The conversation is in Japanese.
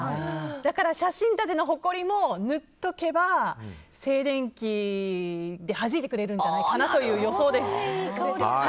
だから写真立てのほこりも塗っておけば静電気ではじいてくれるんじゃないかなという予想です。